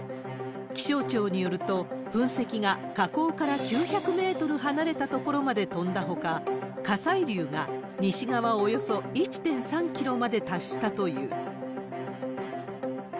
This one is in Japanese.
気象庁によると、噴石が火口から９００メートル離れた所まで飛んだほか、火砕流が西側およそ１．３キロまで達したという。